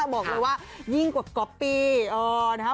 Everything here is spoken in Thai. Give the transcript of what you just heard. บอกเลยว่ายิ่งกว่าก๊อปปี้เหมือนเป๊ะนะฮะ